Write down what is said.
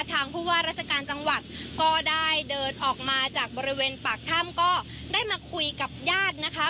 ทางผู้ว่าราชการจังหวัดก็ได้เดินออกมาจากบริเวณปากถ้ำก็ได้มาคุยกับญาตินะคะ